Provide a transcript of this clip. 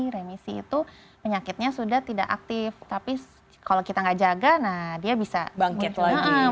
remisi itu penyakitnya sudah tidak aktif tapi kalau kita nggak jaga nah dia bisa muncul lagi